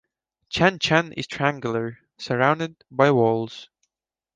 Chan Chan is triangular, surrounded by walls.